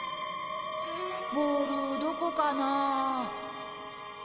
ボールどこかな？